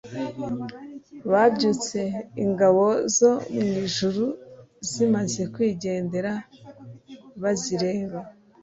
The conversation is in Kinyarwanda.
Babyutse ingabo zo mu ijuru zimaze kwigendera bazireba,